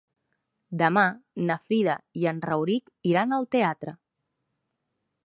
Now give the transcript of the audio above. Demà na Frida i en Rauric iran al teatre.